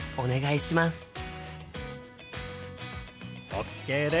ＯＫです！